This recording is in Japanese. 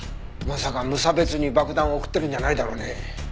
まさか無差別に爆弾を送ってるんじゃないだろうね？